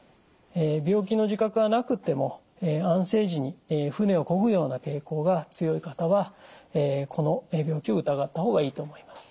病気の自覚がなくても安静時に船をこぐような傾向が強い方はこの病気を疑った方がいいと思います。